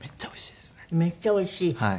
めっちゃおいしいですね。